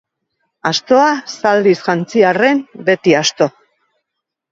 Astoa, zaldiz jantzi arren, beti asto.